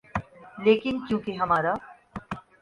لیکن کیونکہ ہمارا